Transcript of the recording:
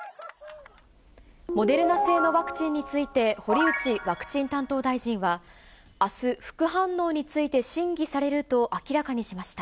モデルナ製のワクチンについて、堀内ワクチン担当大臣は、あす、副反応について審議されると明らかにしました。